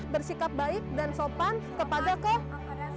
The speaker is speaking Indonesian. bersikap baik dan sopan kepada ko